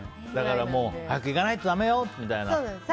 早く行かないとだめよみたいな声が。